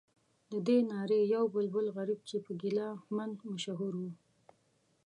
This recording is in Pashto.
ددې نارې یو بلبل غریب چې په ګیله من مشهور و.